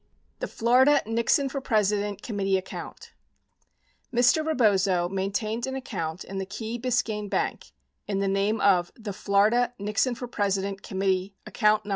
The Florida Nixon for President Committee Account Mr. Rebozo maintained an account in the Key Biscayne Bank in the name of The Florida Nixon for President Committee account No.